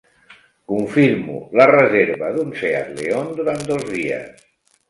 Confirmo la reserva d'un Seat León durant dos dies.